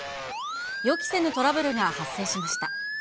予期せぬトラブルが発生しました。